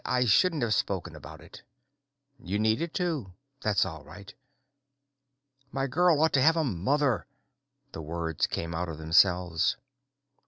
I shouldn't have spoken about it." "You needed to. That's all right." "My girl ought to have a mother " The words came of themselves.